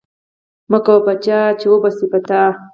مکوه په چا چی اوبشی په تا